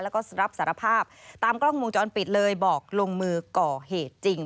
แล้วก็รับสารภาพตามกล้องวงจรปิดเลยบอกลงมือก่อเหตุจริง